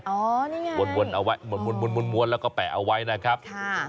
อ๋อนี่ไงวนเอาไว้วนแล้วก็แปะเอาไว้นะครับค่ะ